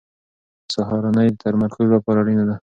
سهارنۍ د تمرکز لپاره اړینه ده.